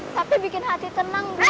tapi bikin hati tenang